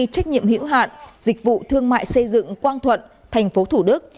trách nhiệm hiểu hạn dịch vụ thương mại xây dựng quang thuận tp thủ đức